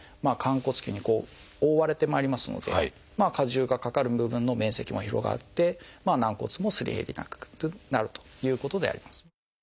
寛骨臼に覆われてまいりますので荷重がかかる部分の面積も広がって軟骨もすり減りがなくなるということであります。